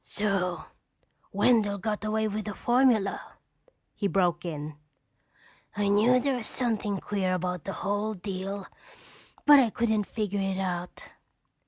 "So Wendell got away with the formula?" he broke in. "I knew there was something queer about the whole deal but I couldn't figure it out.